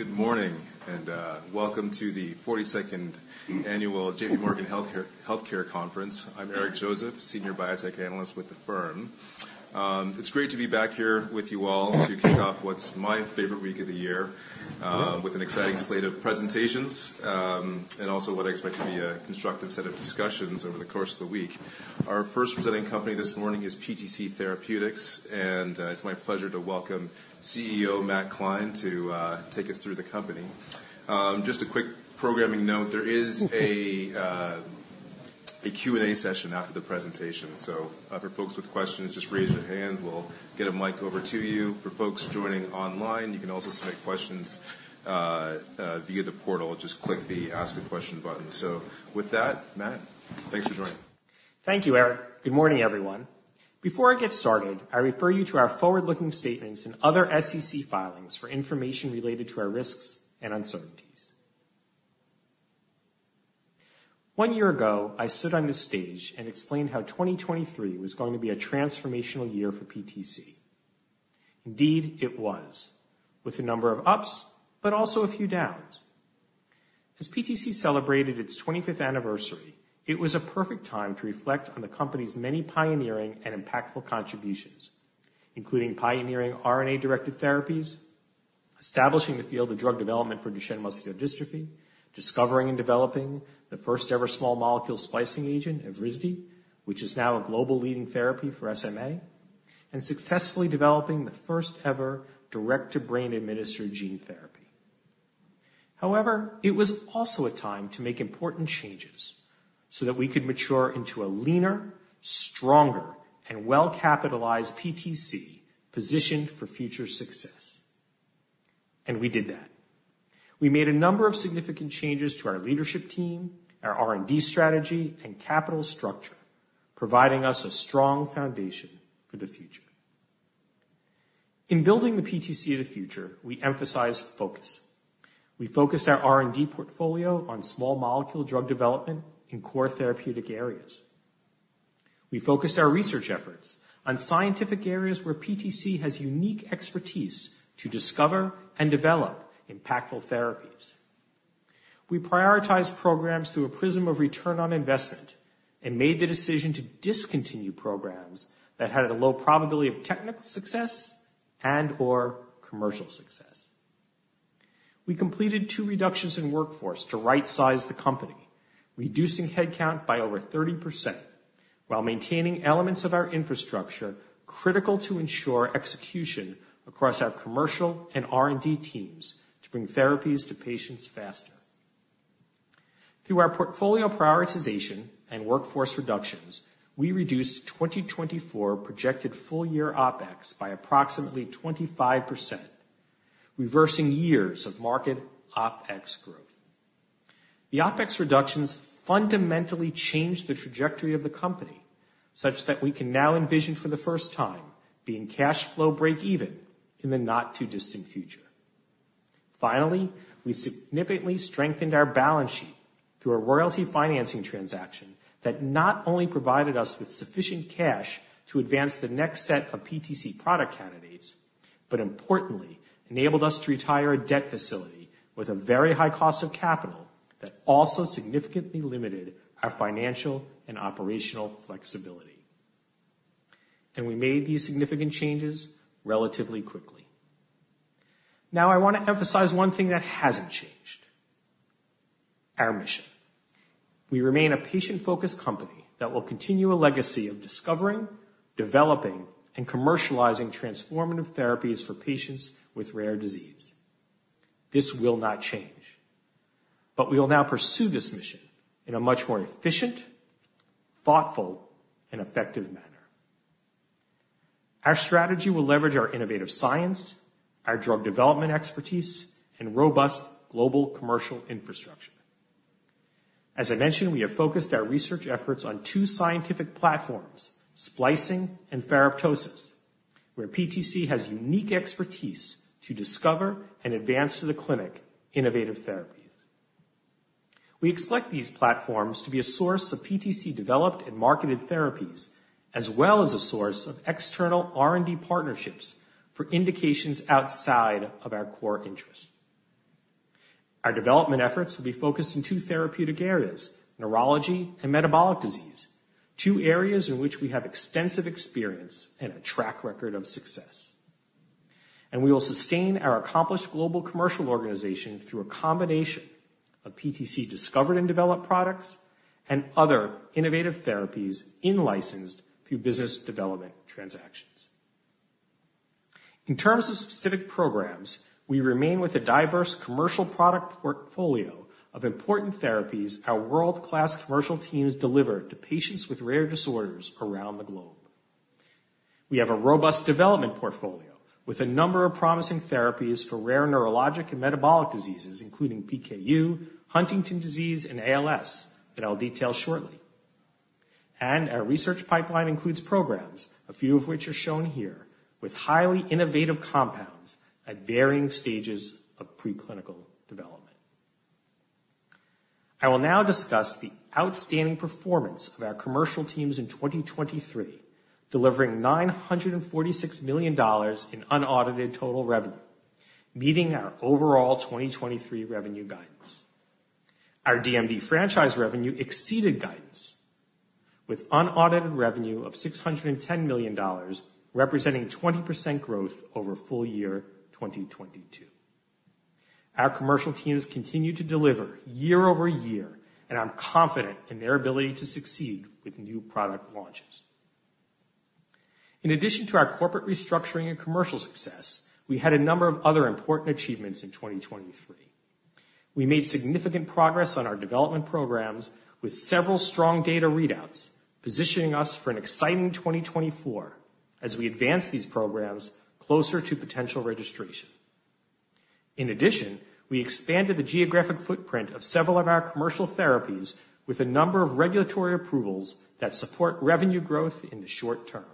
Good morning, and welcome to the forty-second annual JPMorgan Healthcare Conference. I'm Eric Joseph, Senior Biotech Analyst with the firm. It's great to be back here with you all to kick off what's my favorite week of the year, with an exciting slate of presentations, and also what I expect to be a constructive set of discussions over the course of the week. Our first presenting company this morning is PTC Therapeutics, and it's my pleasure to welcome CEO, Matt Klein, to take us through the company. Just a quick programming note. There is a Q&A session after the presentation, so for folks with questions, just raise your hand. We'll get a mic over to you. For folks joining online, you can also submit questions via the portal. Just click the Ask a Question button. With that, Matt, thanks for joining. Thank you, Eric. Good morning, everyone. Before I get started, I refer you to our forward-looking statements and other SEC filings for information related to our risks and uncertainties. One year ago, I stood on this stage and explained how 2023 was going to be a transformational year for PTC. Indeed, it was, with a number of ups, but also a few downs. As PTC celebrated its 25th anniversary, it was a perfect time to reflect on the company's many pioneering and impactful contributions, including pioneering RNA-directed therapies, establishing the field of drug development for Duchenne muscular dystrophy, discovering and developing the first-ever small molecule splicing agent, Evrysdi, which is now a global leading therapy for SMA, and successfully developing the first-ever direct-to-brain administered gene therapy. However, it was also a time to make important changes so that we could mature into a leaner, stronger, and well-capitalized PTC positioned for future success, and we did that. We made a number of significant changes to our leadership team, our R&D strategy, and capital structure, providing us a strong foundation for the future. In building the PTC of the future, we emphasize focus. We focused our R&D portfolio on small molecule drug development in core therapeutic areas. We focused our research efforts on scientific areas where PTC has unique expertise to discover and develop impactful therapies. We prioritized programs through a prism of return on investment and made the decision to discontinue programs that had a low probability of technical success and/or commercial success. We completed two reductions in workforce to rightsize the company, reducing headcount by over 30%, while maintaining elements of our infrastructure critical to ensure execution across our commercial and R&D teams to bring therapies to patients faster. Through our portfolio prioritization and workforce reductions, we reduced 2024 projected full-year OpEx by approximately 25%, reversing years of market OpEx growth. The OpEx reductions fundamentally changed the trajectory of the company, such that we can now envision for the first time being cash flow breakeven in the not-too-distant future. Finally, we significantly strengthened our balance sheet through a royalty financing transaction that not only provided us with sufficient cash to advance the next set of PTC product candidates, but importantly, enabled us to retire a debt facility with a very high cost of capital that also significantly limited our financial and operational flexibility. We made these significant changes relatively quickly. Now, I want to emphasize one thing that hasn't changed: our mission. We remain a patient-focused company that will continue a legacy of discovering, developing, and commercializing transformative therapies for patients with rare disease. This will not change, but we will now pursue this mission in a much more efficient, thoughtful, and effective manner. Our strategy will leverage our innovative science, our drug development expertise, and robust global commercial infrastructure. As I mentioned, we have focused our research efforts on two scientific platforms, splicing and ferroptosis, where PTC has unique expertise to discover and advance to the clinic innovative therapies. We expect these platforms to be a source of PTC-developed and marketed therapies, as well as a source of external R&D partnerships for indications outside of our core interest. Our development efforts will be focused in two therapeutic areas, neurology and metabolic disease, two areas in which we have extensive experience and a track record of success. We will sustain our accomplished global commercial organization through a combination of PTC-discovered and developed products and other innovative therapies in licensed through business development transactions. In terms of specific programs, we remain with a diverse commercial product portfolio of important therapies our world-class commercial teams deliver to patients with rare disorders around the globe. We have a robust development portfolio with a number of promising therapies for rare neurologic and metabolic diseases, including PKU, Huntington's disease, and ALS, that I'll detail shortly. Our research pipeline includes programs, a few of which are shown here, with highly innovative compounds at varying stages of preclinical development.... I will now discuss the outstanding performance of our commercial teams in 2023, delivering $946 million in unaudited total revenue, meeting our overall 2023 revenue guidance. Our DMD franchise revenue exceeded guidance, with unaudited revenue of $610 million, representing 20% growth over full year 2022. Our commercial teams continue to deliver year-over-year, and I'm confident in their ability to succeed with new product launches. In addition to our corporate restructuring and commercial success, we had a number of other important achievements in 2023. We made significant progress on our development programs with several strong data readouts, positioning us for an exciting 2024 as we advance these programs closer to potential registration. In addition, we expanded the geographic footprint of several of our commercial therapies with a number of regulatory approvals that support revenue growth in the short term.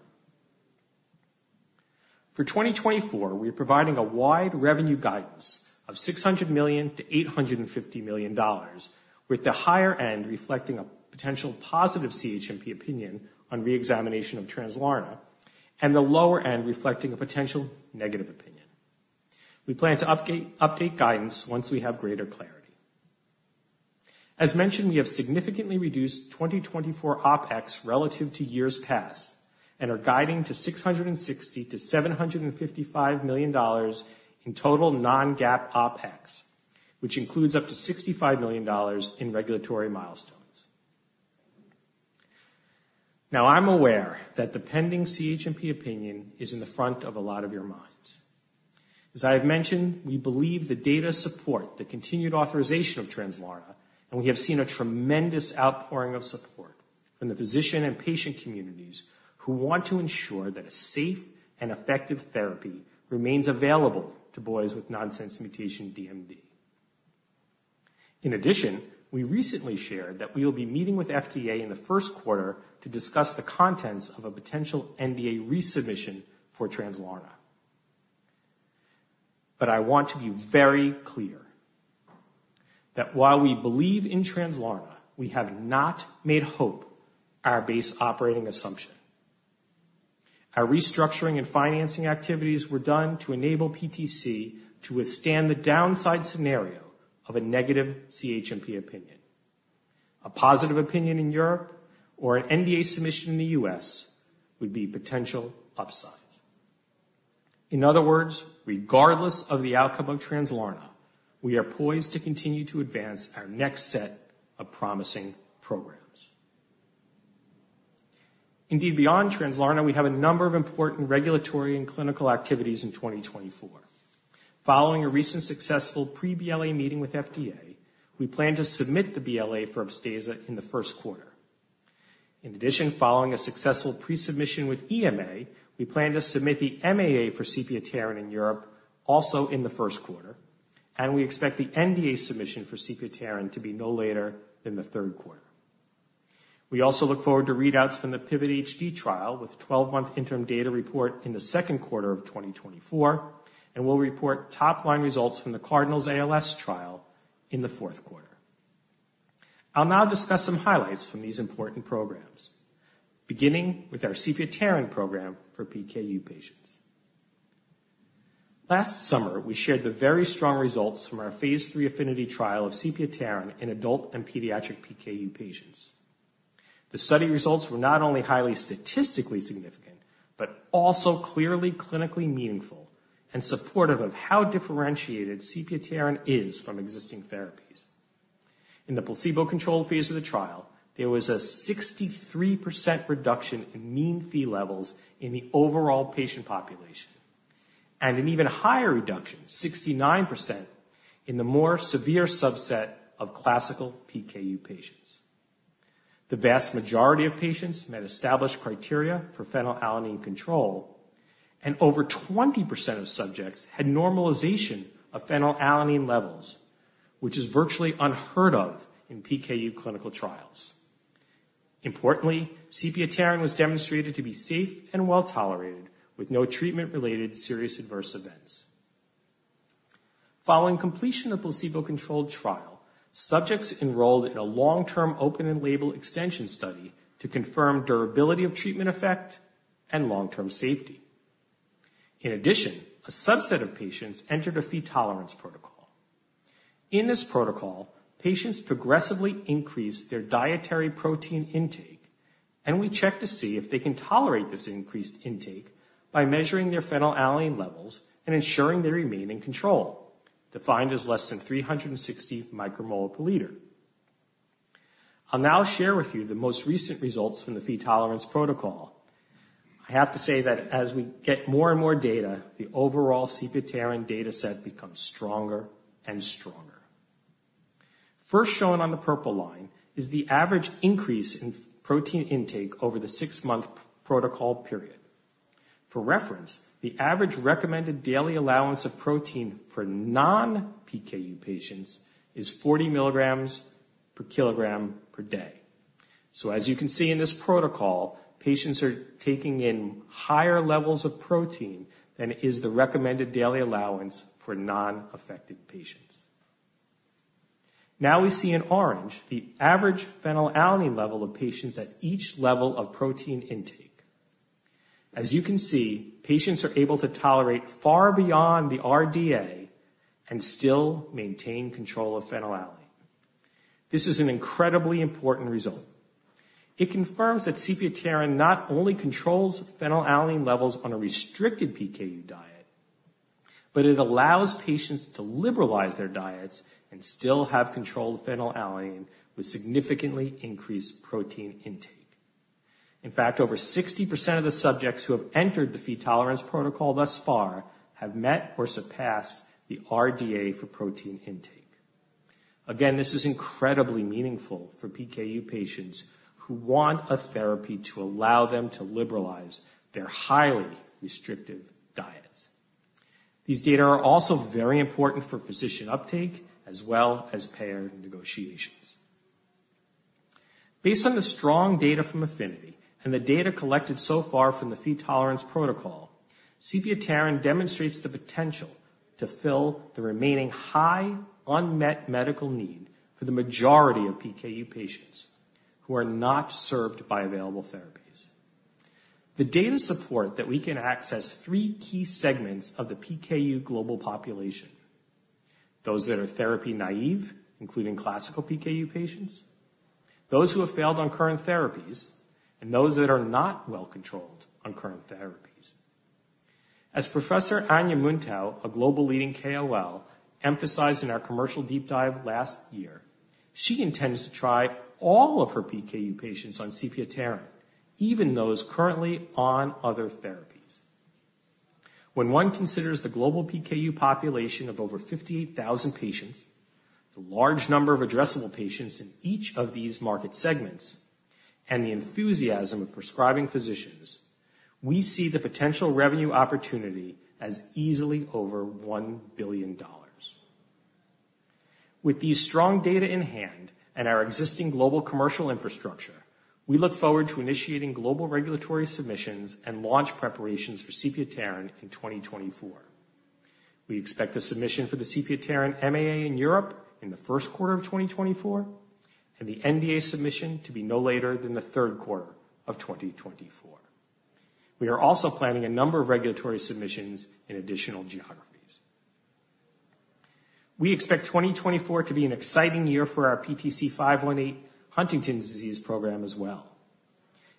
For 2024, we are providing a wide revenue guidance of $600 million-$850 million, with the higher end reflecting a potential positive CHMP opinion on reexamination of Translarna, and the lower end reflecting a potential negative opinion. We plan to update guidance once we have greater clarity. As mentioned, we have significantly reduced 2024 OpEx relative to years past and are guiding to $660 million-$755 million in total non-GAAP OpEx, which includes up to $65 million in regulatory milestones. Now, I'm aware that the pending CHMP opinion is in the front of a lot of your minds. As I have mentioned, we believe the data support the continued authorization of Translarna, and we have seen a tremendous outpouring of support from the physician and patient communities who want to ensure that a safe and effective therapy remains available to boys with nonsense mutation DMD. In addition, we recently shared that we will be meeting with FDA in the first quarter to discuss the contents of a potential NDA resubmission for Translarna. But I want to be very clear that while we believe in Translarna, we have not made hope our base operating assumption. Our restructuring and financing activities were done to enable PTC to withstand the downside scenario of a negative CHMP opinion. A positive opinion in Europe or an NDA submission in the US would be potential upside. In other words, regardless of the outcome of Translarna, we are poised to continue to advance our next set of promising programs. Indeed, beyond Translarna, we have a number of important regulatory and clinical activities in 2024. Following a recent successful pre-BLA meeting with FDA, we plan to submit the BLA for Upstaza in the first quarter. In addition, following a successful pre-submission with EMA, we plan to submit the MAA for sepiapterin in Europe also in the first quarter, and we expect the NDA submission for sepiapterin to be no later than the third quarter. We also look forward to readouts from the PIVOT-HD trial, with a 12-month interim data report in the second quarter of 2024, and we'll report top-line results from the CARDINALS-ALS trial in the fourth quarter. I'll now discuss some highlights from these important programs, beginning with our sepiapterin program for PKU patients. Last summer, we shared the very strong results from our phase 3 APHENITY trial of sepiapterin in adult and pediatric PKU patients. The study results were not only highly statistically significant, but also clearly clinically meaningful and supportive of how differentiated sepiapterin is from existing therapies. In the placebo-controlled phase of the trial, there was a 63% reduction in mean Phe levels in the overall patient population, and an even higher reduction, 69%, in the more severe subset of classical PKU patients. The vast majority of patients met established criteria for phenylalanine control, and over 20% of subjects had normalization of phenylalanine levels, which is virtually unheard of in PKU clinical trials. Importantly, sepiapterin was demonstrated to be safe and well-tolerated, with no treatment-related serious adverse events. Following completion of placebo-controlled trial, subjects enrolled in a long-term open-label extension study to confirm durability of treatment effect and long-term safety. In addition, a subset of patients entered a Phe tolerance protocol. In this protocol, patients progressively increase their dietary protein intake, and we check to see if they can tolerate this increased intake by measuring their phenylalanine levels and ensuring they remain in control, defined as less than 360 micromoles per liter. I'll now share with you the most recent results from the Phe tolerance protocol. I have to say that as we get more and more data, the overall sepiapterin data set becomes stronger and stronger. First, shown on the purple line, is the average increase in protein intake over the six-month protocol period. For reference, the average recommended daily allowance of protein for non-PKU patients is 40 mg/kg/day... So as you can see in this protocol, patients are taking in higher levels of protein than is the recommended daily allowance for non-affected patients. Now we see in orange the average phenylalanine level of patients at each level of protein intake. As you can see, patients are able to tolerate far beyond the RDA and still maintain control of phenylalanine. This is an incredibly important result. It confirms that sepiapterin not only controls phenylalanine levels on a restricted PKU diet, but it allows patients to liberalize their diets and still have controlled phenylalanine with significantly increased protein intake. In fact, over 60% of the subjects who have entered the PheTolerance protocol thus far have met or surpassed the RDA for protein intake. Again, this is incredibly meaningful for PKU patients who want a therapy to allow them to liberalize their highly restrictive diets. These data are also very important for physician uptake as well as payer negotiations. Based on the strong data from AFFINITY and the data collected so far from the PheTolerance protocol, sepiapterin demonstrates the potential to fill the remaining high unmet medical need for the majority of PKU patients who are not served by available therapies. The data support that we can access three key segments of the PKU global population. Those that are therapy naive, including classical PKU patients, those who have failed on current therapies, and those that are not well controlled on current therapies. As Professor Ania Muntau, a global leading KOL, emphasized in our commercial deep dive last year, she intends to try all of her PKU patients on sepiapterin, even those currently on other therapies. When one considers the global PKU population of over 58,000 patients, the large number of addressable patients in each of these market segments, and the enthusiasm of prescribing physicians, we see the potential revenue opportunity as easily over $1 billion. With these strong data in hand and our existing global commercial infrastructure, we look forward to initiating global regulatory submissions and launch preparations for sepiapterin in 2024. We expect the submission for the sepiapterin MAA in Europe in the first quarter of 2024, and the NDA submission to be no later than the third quarter of 2024. We are also planning a number of regulatory submissions in additional geographies. We expect 2024 to be an exciting year for our PTC-518 Huntington's disease program as well.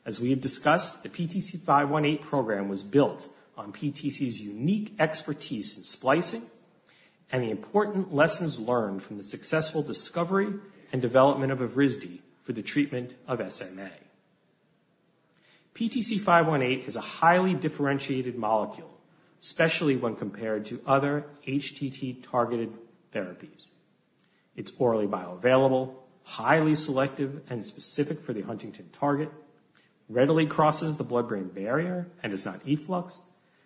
As we have discussed, the PTC-518 program was built on PTC's unique expertise in splicing and the important lessons learned from the successful discovery and development of Evrysdi for the treatment of SMA. PTC-518 is a highly differentiated molecule, especially when compared to other HTT-targeted therapies. It's orally bioavailable, highly selective and specific for the Huntington target, readily crosses the blood-brain barrier and is not efflux,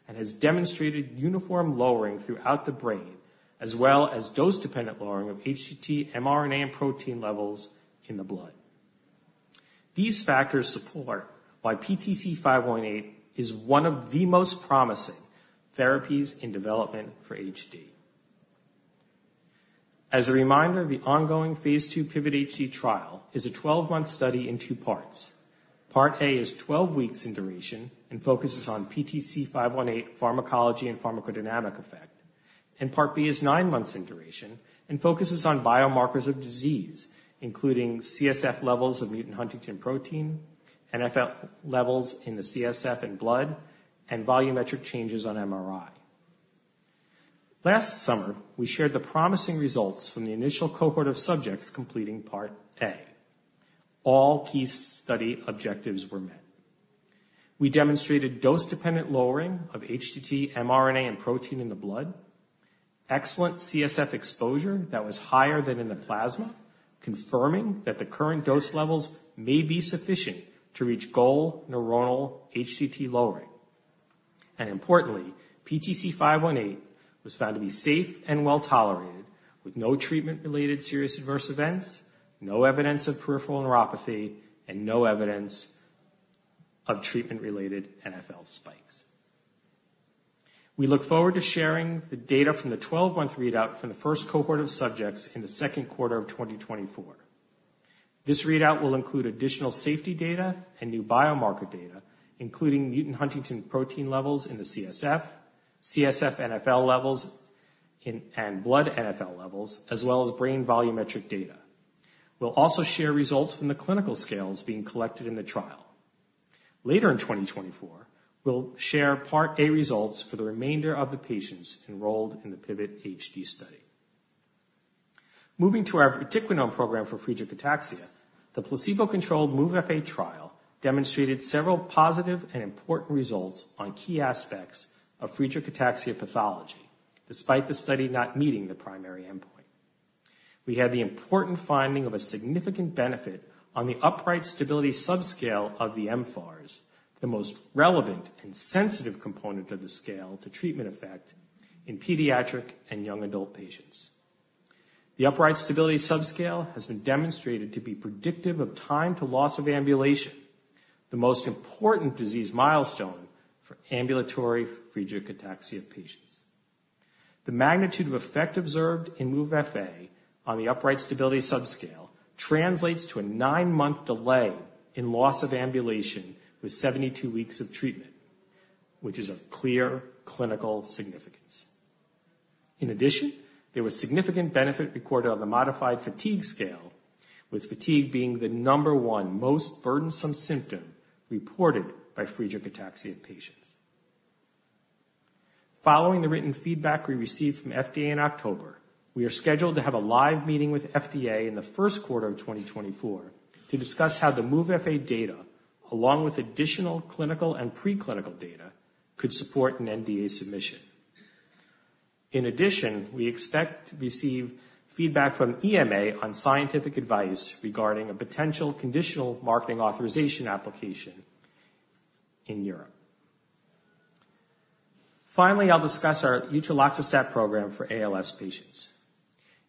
and has demonstrated uniform lowering throughout the brain, as well as dose-dependent lowering of HTT mRNA and protein levels in the blood. These factors support why PTC-518 is one of the most promising therapies in development for HD. As a reminder, the ongoing phase 2 PIVOT-HD trial is a 12-month study in two parts. Part A is 12 weeks in duration and focuses on PTC-518 pharmacology and pharmacodynamic effect. And Part B is 9 months in duration and focuses on biomarkers of disease, including CSF levels of mutant huntingtin protein, NfL levels in the CSF and blood, and volumetric changes on MRI. Last summer, we shared the promising results from the initial cohort of subjects completing Part A. All key study objectives were met. We demonstrated dose-dependent lowering of HTT mRNA and protein in the blood, excellent CSF exposure that was higher than in the plasma, confirming that the current dose levels may be sufficient to reach goal neuronal HTT lowering. And importantly, PTC-518 was found to be safe and well tolerated, with no treatment-related serious adverse events, no evidence of peripheral neuropathy, and no evidence of treatment-related NfL spikes. We look forward to sharing the data from the 12-month readout from the first cohort of subjects in the second quarter of 2024. This readout will include additional safety data and new biomarker data, including mutant huntingtin protein levels in the CSF, CSF NfL levels, and blood NfL levels, as well as brain volumetric data. We'll also share results from the clinical scales being collected in the trial. Later in 2024, we'll share Part A results for the remainder of the patients enrolled in the PIVOT-HD study. Moving to our vatiquinone program for Friedreich ataxia, the placebo-controlled MOVE-FA trial demonstrated several positive and important results on key aspects of Friedreich ataxia pathology, despite the study not meeting the primary endpoint. We had the important finding of a significant benefit on the Upright Stability Subscale of the mFARS, the most relevant and sensitive component of the scale to treatment effect in pediatric and young adult patients. The Upright Stability Subscale has been demonstrated to be predictive of time to loss of ambulation, the most important disease milestone for ambulatory Friedreich ataxia patients. The magnitude of effect observed in MOVE-FA on the Upright Stability Subscale translates to a nine-month delay in loss of ambulation with 72 weeks of treatment, which is of clear clinical significance. In addition, there was significant benefit recorded on the Modified Fatigue Scale, with fatigue being the number one most burdensome symptom reported by Friedreich ataxia patients. Following the written feedback we received from FDA in October, we are scheduled to have a live meeting with FDA in the first quarter of 2024 to discuss how the MOVE-FA data, along with additional clinical and preclinical data, could support an NDA submission. In addition, we expect to receive feedback from EMA on scientific advice regarding a potential conditional marketing authorization application in Europe. Finally, I'll discuss our utroxaostat program for ALS patients.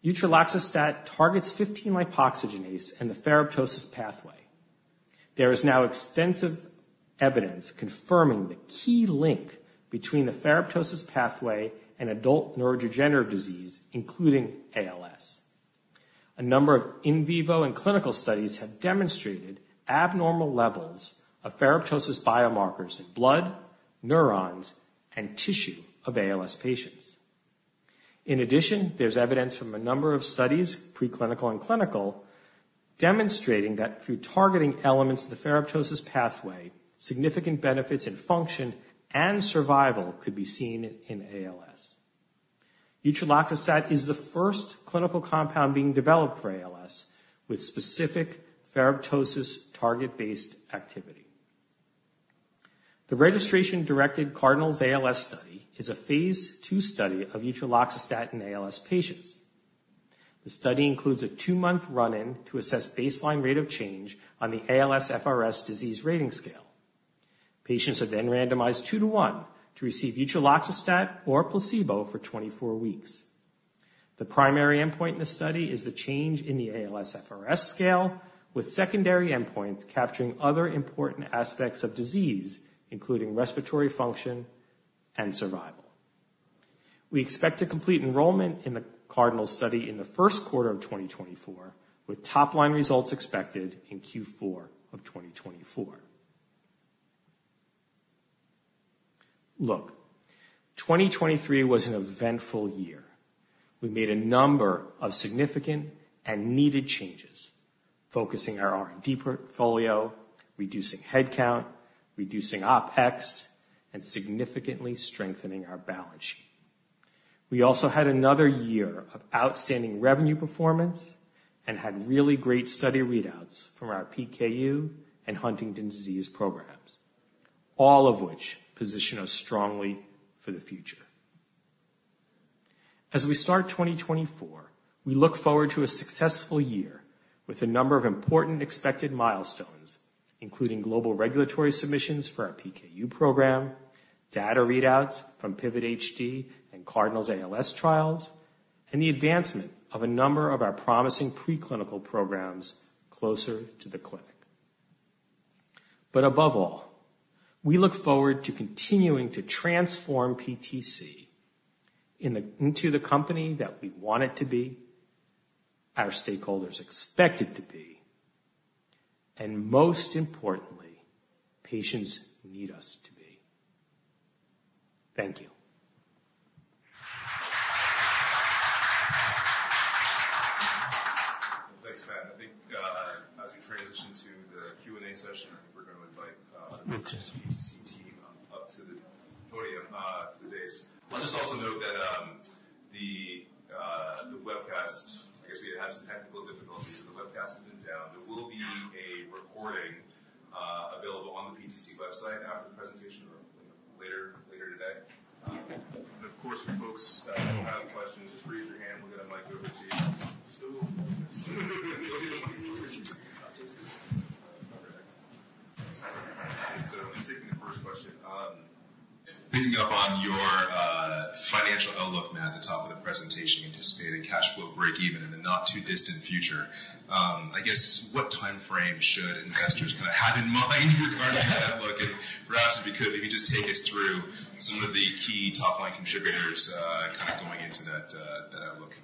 Utroxaostat targets 15-lipoxygenase and the ferroptosis pathway. There is now extensive evidence confirming the key link between the ferroptosis pathway and adult neurodegenerative disease, including ALS. A number of in vivo and clinical studies have demonstrated abnormal levels of ferroptosis biomarkers in blood, neurons, and tissue of ALS patients. In addition, there's evidence from a number of studies, preclinical and clinical, demonstrating that through targeting elements of the ferroptosis pathway, significant benefits in function and survival could be seen in ALS. Utroxaostat is the first clinical compound being developed for ALS with specific ferroptosis target-based activity. The registration-directed CARDINALS ALS study is a phase 2 study of utroxaostat in ALS patients. The study includes a 2-month run-in to assess baseline rate of change on the ALSFRS disease rating scale. Patients are then randomized 2 to 1 to receive utroxaostat or placebo for 24 weeks. The primary endpoint in this study is the change in the ALSFRS scale, with secondary endpoints capturing other important aspects of disease, including respiratory function and survival. We expect to complete enrollment in the CARDINALS-ALS in the first quarter of 2024, with top-line results expected in Q4 of 2024. Look, 2023 was an eventful year. We made a number of significant and needed changes, focusing our R&D portfolio, reducing headcount, reducing OpEx, and significantly strengthening our balance sheet. We also had another year of outstanding revenue performance and had really great study readouts from our PKU and Huntington's disease programs, all of which position us strongly for the future. As we start 2024, we look forward to a successful year with a number of important expected milestones, including global regulatory submissions for our PKU program, data readouts from PIVOT-HD and CARDINALS ALS trials, and the advancement of a number of our promising preclinical programs closer to the clinic. But above all, we look forward to continuing to transform PTC into the company that we want it to be, our stakeholders expect it to be, and most importantly, patients need us to be. Thank you. Thanks, Matt. I think, as we transition to the Q&A session, we're going to invite the PTC team up to the podium, to the dais. I'll just also note that the webcast, I guess we had some technical difficulties, so the webcast has been down. There will be a recording available on the PTC website after the presentation or later, later today. Of course, folks, who have questions, just raise your hand. We'll get a mic over to you. So taking the first question. Picking up on your financial outlook, Matt, at the top of the presentation, you anticipated cash flow breakeven in the not too distant future. I guess what time frame should investors kind of have in mind regarding that look? Perhaps, if you could, maybe just take us through some of the key top-line contributors, kind of going into that look.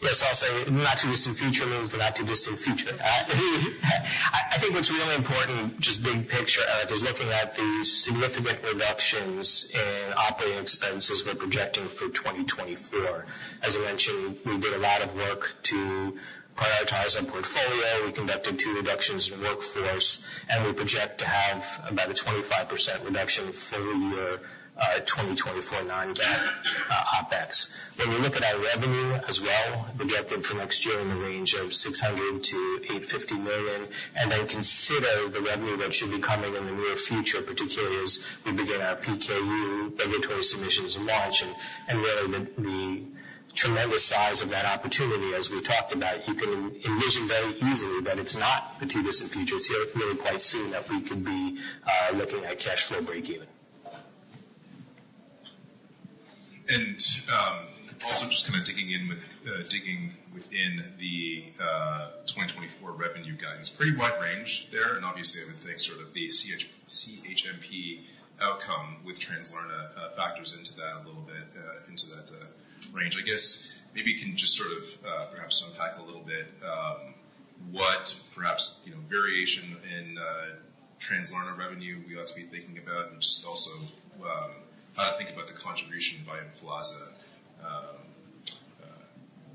Yes, I'll say not too distant future means the not too distant future. I, I think what's really important, just big picture, is looking at the significant reductions in operating expenses we're projecting for 2024. As I mentioned, we did a lot of work to prioritize our portfolio. We conducted two reductions in workforce, and we project to have about a 25% reduction full year 2024 non-GAAP OpEx. When we look at our revenue as well, projected for next year in the range of $600 million-$850 million, and then consider the revenue that should be coming in the near future, particularly as we begin our PKU regulatory submissions and launch and, and really the, the tremendous size of that opportunity, as we talked about, you can envision very easily that it's not the too distant future. It's really quite soon that we could be looking at cash flow break even. ... And, also just kind of digging in with, digging within the 2024 revenue guidance. Pretty wide range there, and obviously, I would think sort of the CHMP outcome with Translarna factors into that a little bit, into that range. I guess maybe you can just sort of, perhaps unpack a little bit, what perhaps, you know, variation in Translarna revenue we ought to be thinking about, and just also, how to think about the contribution by Emflaza,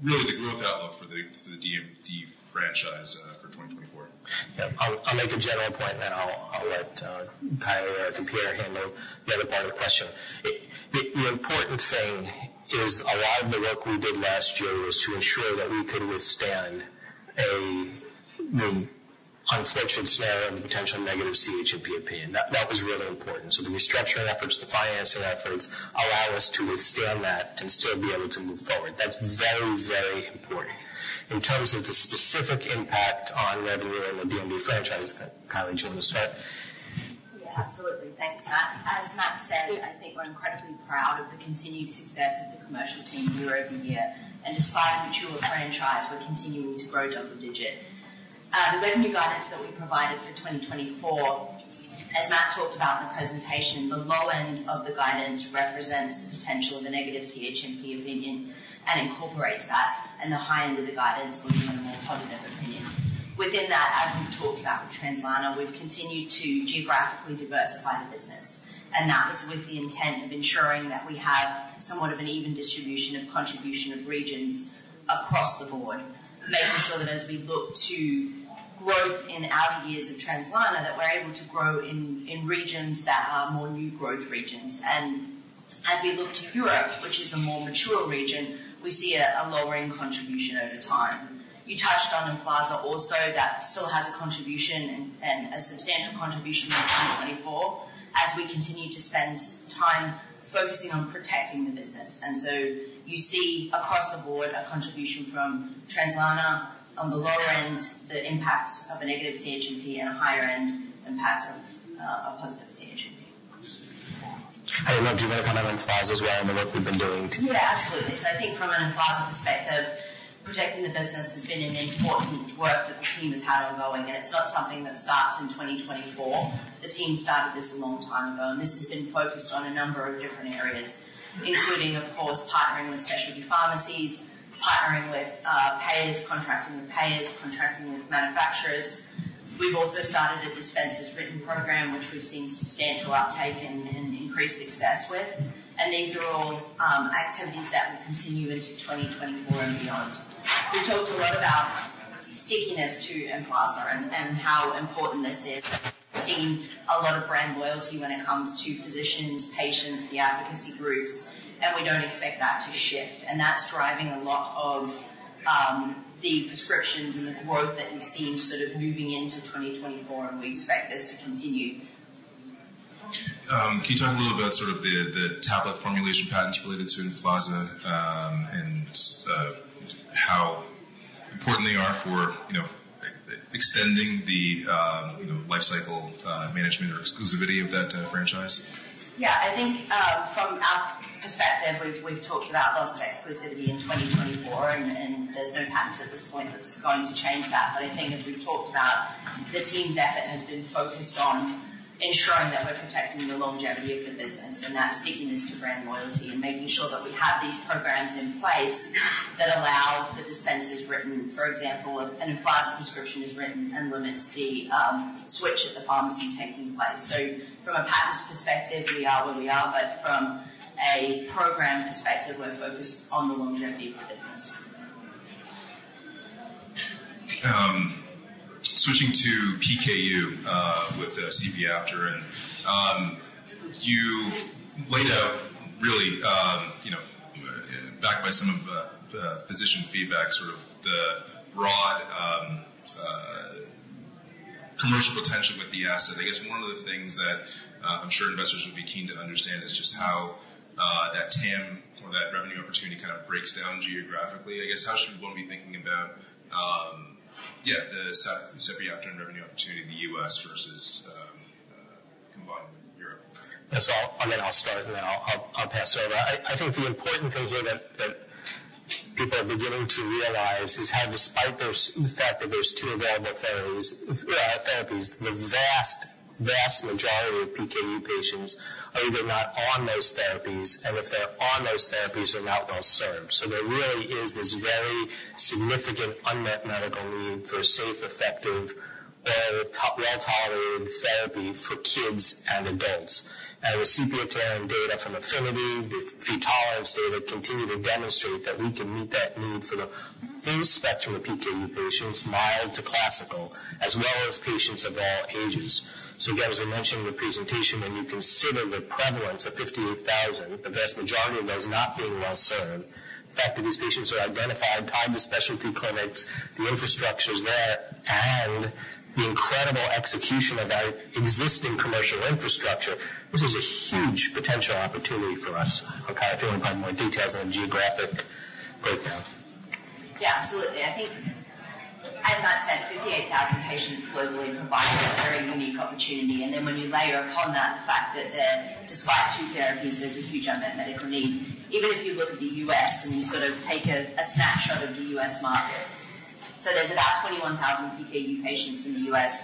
really the growth outlook for the, for the DMD franchise, for 2024. Yeah. I'll make a general point, and then I'll let Kylie or Peter handle the other part of the question. The important thing is a lot of the work we did last year was to ensure that we could withstand the unflinching stare of the potential negative CHMP opinion. That was really important. So the restructuring efforts, the financing efforts, allow us to withstand that and still be able to move forward. That's very, very important. In terms of the specific impact on revenue and the DMD franchise, Kylie, do you want to start? Yeah, absolutely. Thanks, Matt. As Matt said, I think we're incredibly proud of the continued success of the commercial team year-over-year, and despite the mature franchise, we're continuing to grow double-digit. The revenue guidance that we provided for 2024, as Matt talked about in the presentation, the low end of the guidance represents the potential of a negative CHMP opinion and incorporates that, and the high end of the guidance looks on a more positive opinion. Within that, as we've talked about with Translarna, we've continued to geographically diversify the business, and that was with the intent of ensuring that we have somewhat of an even distribution of contribution of regions across the board. Making sure that as we look to growth in outer years of Translarna, that we're able to grow in regions that are more new growth regions. As we look to Europe, which is a more mature region, we see a lowering contribution over time. You touched on Emflaza also, that still has a contribution and a substantial contribution in 2024, as we continue to spend time focusing on protecting the business. So you see across the board a contribution from Translarna on the low end, the impact of a negative CHMP and a higher end impact of a positive CHMP. I don't know, do you want to comment on Emflaza as well and the work we've been doing? Yeah, absolutely. So I think from an Emflaza perspective, protecting the business has been an important work that the team has had ongoing, and it's not something that starts in 2024. The team started this a long time ago, and this has been focused on a number of different areas, including, of course, partnering with specialty pharmacies, partnering with payers, contracting with payers, contracting with manufacturers. We've also started a Dispense As Written program, which we've seen substantial uptake and increased success with, and these are all activities that will continue into 2024 and beyond. We talked a lot about stickiness to Emflaza and how important this is. We've seen a lot of brand loyalty when it comes to physicians, patients, the advocacy groups, and we don't expect that to shift. That's driving a lot of the prescriptions and the growth that you've seen sort of moving into 2024, and we expect this to continue. Can you talk a little about sort of the tablet formulation patents related to Emflaza, and how important they are for, you know, extending the, you know, lifecycle management or exclusivity of that franchise? Yeah, I think, from our perspective, we've talked about loss of exclusivity in 2024, and there's no patents at this point that's going to change that. But I think as we've talked about, the team's effort has been focused on ensuring that we're protecting the longevity of the business and that stickiness to brand loyalty and making sure that we have these programs in place that allow the Dispense As Written, for example, an Emflaza prescription is written and limits the switch at the pharmacy taking place. So from a patents perspective, we are where we are, but from a program perspective, we're focused on the longevity of the business. Switching to PKU, you laid out really, you know, backed by some of the physician feedback, sort of the broad commercial potential with the asset. I guess one of the things that I'm sure investors would be keen to understand is just how that TAM or that revenue opportunity kind of breaks down geographically. I guess, how should one be thinking about, yeah, the sepiapterin revenue opportunity in the US versus combined with Europe? Yes, I'll start, and then I'll pass it over. I think the important thing here that people are beginning to realize is how despite the fact that there are two available therapies, the vast majority of PKU patients are either not on those therapies, and if they're on those therapies, they're not well served. So there really is this very significant unmet medical need for safe, effective, well-tolerated therapy for kids and adults. And with sepiapterin data from AFFINITY, the Phe tolerance data continue to demonstrate that we can meet that need for the full spectrum of PKU patients, mild to classical, as well as patients of all ages. So again, as we mentioned in the presentation, when you consider the prevalence of 58,000, the vast majority of those not being well served, the fact that these patients are identified, timed with specialty clinics, the infrastructure's there, and the incredible execution of our existing commercial infrastructure, this is a huge potential opportunity for us. Kylie, do you want to provide more details on the geographic breakdown. Yeah, absolutely. I think- As Matt said, 58,000 patients globally provide a very unique opportunity, and then when you layer upon that the fact that there, despite two therapies, there's a huge unmet medical need. Even if you look at the U.S. and you sort of take a, a snapshot of the U.S. market. So there's about 21,000 PKU patients in the U.S.,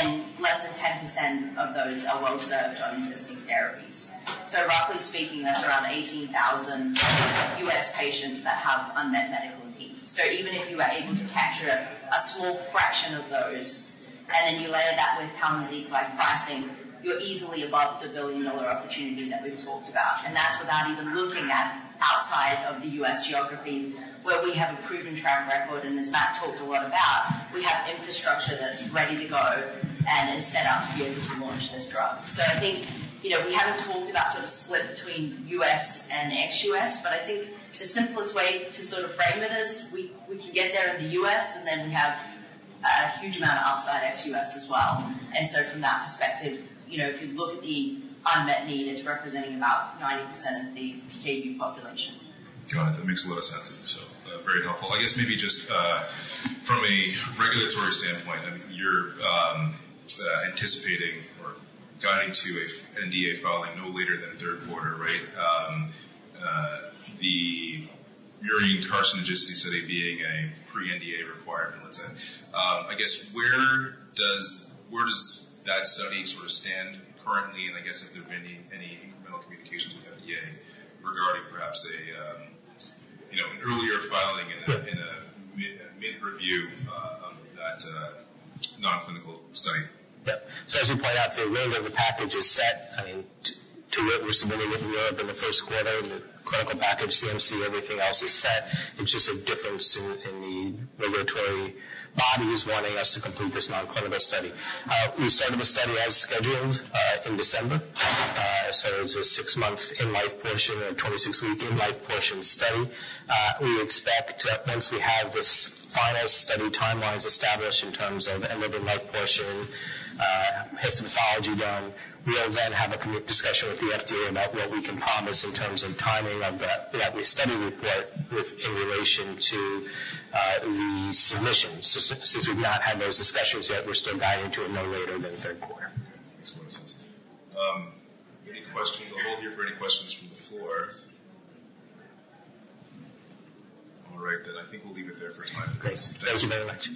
and less than 10% of those are well-served on existing therapies. So roughly speaking, that's around 18,000 U.S. patients that have unmet medical needs. So even if you are able to capture a small fraction of those, and then you layer that with Palynziq pricing, you're easily above the billion-dollar opportunity that we've talked about. And that's without even looking at outside of the U.S. geographies, where we have a proven track record, and as Matt talked a lot about, we have infrastructure that's ready to go and is set out to be able to launch this drug. So I think, you know, we haven't talked about sort of split between U.S. and ex-U.S., but I think the simplest way to sort of frame it is we can get there in the U.S., and then we have a huge amount of outside ex-U.S. as well. And so from that perspective, you know, if you look at the unmet need, it's representing about 90% of the PKU population. Got it. That makes a lot of sense, and so, very helpful. I guess maybe just from a regulatory standpoint, I mean, you're anticipating or guiding to a NDA filing no later than third quarter, right? The urine carcinogenicity study being a pre-NDA requirement, let's say. I guess, where does that study sort of stand currently? And I guess if there have been any incremental communications with FDA regarding perhaps you know, an earlier filing in a mid-review of that non-clinical study? Yeah. So as you point out, the regulatory package is set. I mean, too. It was submitted in Europe in the first quarter, the clinical package, CMC, everything else is set. It's just a difference in the regulatory bodies wanting us to complete this non-clinical study. We started the study as scheduled in December. So it's a 6-month in-life portion, a 26-week in-life portion study. We expect once we have this final study timelines established in terms of end-of-life portion, histopathology done, we'll then have a commit discussion with the FDA about what we can promise in terms of timing of the study report with, in relation to, the submission. Since we've not had those discussions yet, we're still guiding to it no later than third quarter. Makes a lot of sense. Any questions? I'll hold here for any questions from the floor. All right, then I think we'll leave it there for time. Great. Thank you very much.